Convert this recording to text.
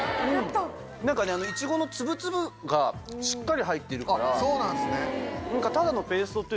何かねいちごの粒々がしっかり入ってるから。